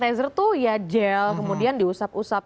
kalau yang itu ya gel kemudian diusap usap